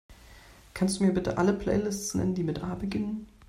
Kannst Du mir bitte alle Playlists nennen, die mit A beginnen?